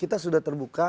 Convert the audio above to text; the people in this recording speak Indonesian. kita sudah terbuka